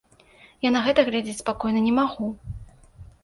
Я на гэта глядзець спакойна не магу.